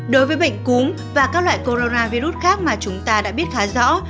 đối với bệnh cúm và các loại coronavirus khác mà chúng ta đã biết khá rõ